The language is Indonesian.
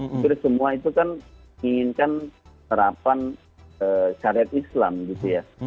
hampir semua itu kan inginkan terapan syariat islam gitu ya